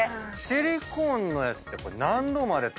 シリコーンのやつって。